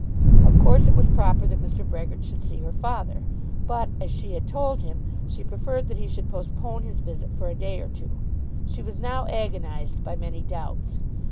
Of course it was proper that Mr. Brehgert should see her father, but, as she had told him, she preferred that he should postpone his visit for a day or two. She was now agonized by many doubts.